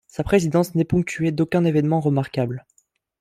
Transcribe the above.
Sa présidence n'est ponctuée d'aucun évènement remarquable.